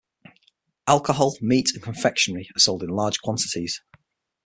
Alcohol, meat and confectionery are sold in large quantities.